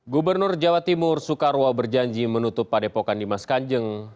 gubernur jawa timur soekarwo berjanji menutup padepokan dimas kanjeng